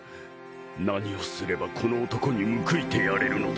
何をすればこの男に報いてやれるのだ。